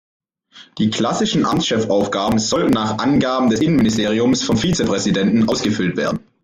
Die klassischen Amtschef-Aufgaben sollten nach Angaben des Innenministeriums vom Vizepräsidenten ausgefüllt werden.